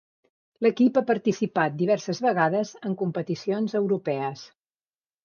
L'equip ha participat diverses vegades en competicions europees.